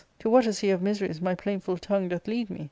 to what a sea of miseries my plaintful tongue doth lead me